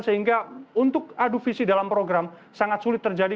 sehingga untuk adu visi dalam program sangat sulit terjadi